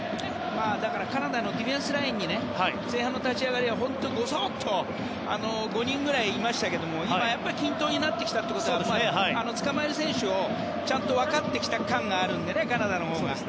カナダのディフェンスラインも前半の立ち上がりは５人ぐらいいましたけど均等になってきたということは捕まえる選手がちゃんと分かってきた感があるので、カナダのほうが。